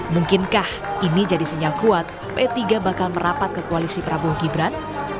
mungkinkah ini jadi sinyal kuat p tiga bakal merapat ke koalisi prabowo gibran